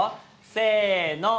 せの。